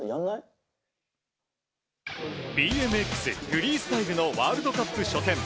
フリースタイルのワールドカップ初戦。